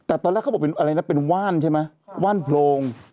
แต่ตอนแรกเขาบอกเป็นอะไรนะเป็นว่านใช่ไหมว่านโพรง